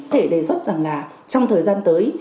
thể đề xuất rằng là trong thời gian tới